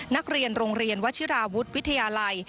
นักเรียนโรงเรียนวชิราวุฒิวิทยาลัย